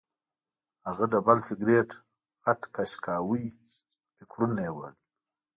هغه ډبل سګرټ غټ کش کاوه او فکرونه یې وهل